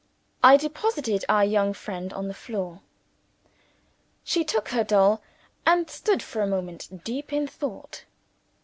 I deposited our young friend on the floor. She took her doll, and stood for a moment deep in thought.